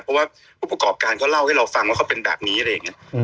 เพราะว่าผู้ประกอบการเขาเล่าให้เราฟังว่าเขาเป็นแบบนี้อะไรอย่างนี้